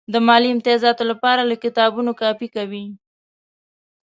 د مالي امتیازاتو لپاره له کتابونو کاپي کوي.